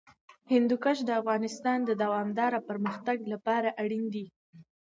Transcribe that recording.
هندوکش د افغانستان د دوامداره پرمختګ لپاره اړین دي.